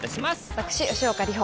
私吉岡里帆